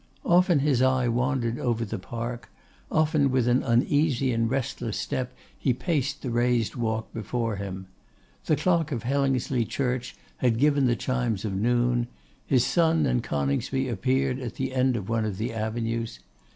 Often his eye wandered over the park; often with an uneasy and restless step he paced the raised walk before him. The clock of Hellingsley church had given the chimes of noon. His son and Coningsby appeared at the end of one of the avenues.